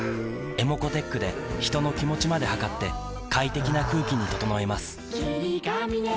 ｅｍｏｃｏーｔｅｃｈで人の気持ちまで測って快適な空気に整えます